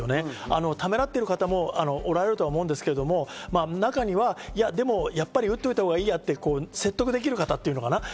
ためらっている方もおられると思うんですけど、中には打っておいたほうがいいやって説得できる方っていうのかな。